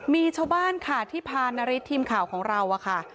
มีชาวบ้านค่ะที่พานาริสทีมข่าวของเราอะค่ะ